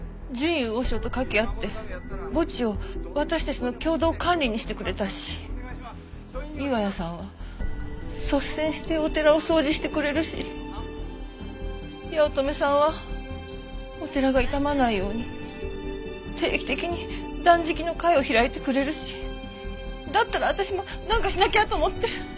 淳雄和尚と掛け合って墓地を私たちの共同管理にしてくれたし岩谷さんは率先してお寺を掃除してくれるし八乙女さんはお寺が傷まないように定期的に断食の会を開いてくれるしだったら私もなんかしなきゃと思って。